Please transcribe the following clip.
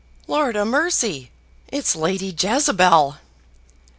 lord a mercy, it's Lady Jezebel!"